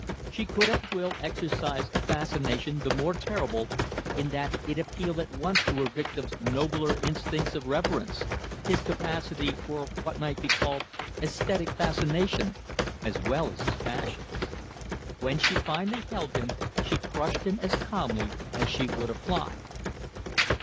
She could at will exercise a fascination the more terrible in that it appealed at once to her victim's nobler instincts of reverence, his capacity for what might be called aesthetic fascination, as well as his passions. When she finally held him, she crushed him as calmly as she would a fly.